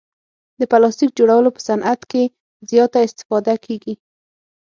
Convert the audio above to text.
د پلاستیک جوړولو په صعنت کې زیاته استفاده کیږي.